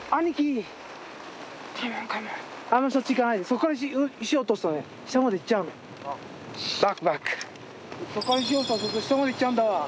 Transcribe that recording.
そこから石落とすと下までいっちゃうんだわ。